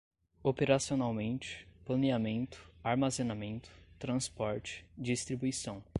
operacionalmente, planeamento, armazenamento, transporte, distribuição